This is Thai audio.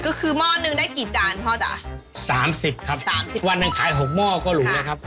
ก็คือหม้อหนึ่งได้กี่จานพ่อจ้ะสามสิบครับสามสิบวันหนึ่งขายหกหม้อก็หรูเลยครับ